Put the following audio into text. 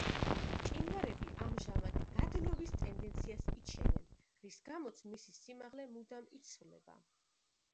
მყინვარები ამჟამად გადნობის ტენდენციას იჩენენ, რის გამოც მისი სიმაღლე მუდამ იცვლება.